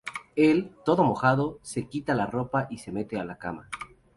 Él, todo mojado, se quita la ropa y se mete en la cama.